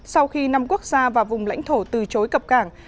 sau khi năm quốc gia và vùng lãnh thổ từ chối cập cảng